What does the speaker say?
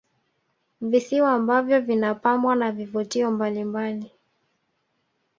Visiwa ambavyo vinapambwa na vivutio mbalimbali